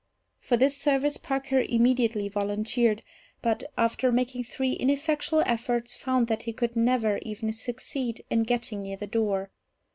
For this service Parker immediately volunteered; but, after making three ineffectual efforts, found that he could never even succeed in getting near the door.